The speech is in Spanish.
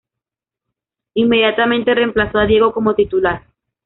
Inmediatamente reemplazó a Diego como titular.